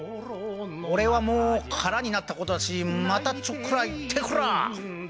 俺はもう空になったことだしまたちょっくら行ってくらあ！